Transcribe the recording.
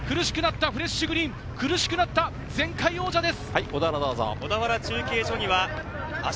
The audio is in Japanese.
苦しくなったフレッシュグリーン、苦しくなった前回王者です。